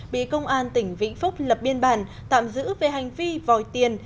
bị công an tỉnh vĩnh phúc lập biên bản tạm giữ về hành vi vòi tiền